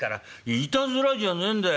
「いたずらじゃねんだよ。